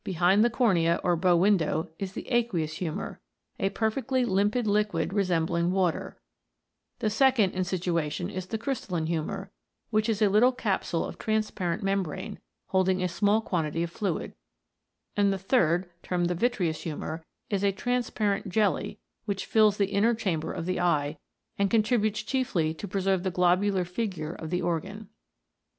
105 hind the cornea or bow window is the aqueous humour, a perfectly limpid liquid resembling water ; the second in situation is the crystalline humour, which is a little capsule of transparent membrane, holding a small quantity of fluid ; and the third, termed the vitreous humour, is a transparent jelly which fills the inner chamber of the eye, and con tributes chiefly to preserve the globular figure of the organ.